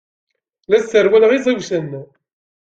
La sserwaleɣ iẓiwcen.